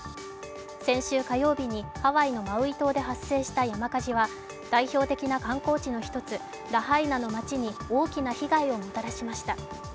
先週火曜日にハワイのマウイ島で発生した山火事は、代表的な観光地の１つ、ラハイナの町に大きな被害をもたらしました。